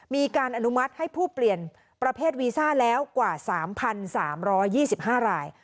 มีการอนุมัติให้ผู้เปลี่ยนประเภทวีซ่าแล้วกว่าสามพันสามร้อยยี่สิบห้าราย